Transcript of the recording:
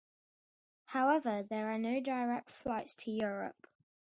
However, there are no direct flights to Europe.